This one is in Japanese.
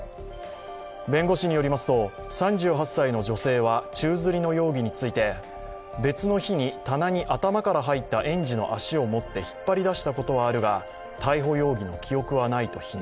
弁護士によりますと３８歳の女性は宙づりの容疑について別の日に棚に頭から入った園児の足を持って引っ張り出したことはあるが逮捕容疑に記憶はないと否認。